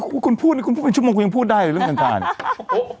คุณคุณพูดคุณพูดเป็นชั่วโมงคุณยังพูดได้เรื่องกันก่อนโอ้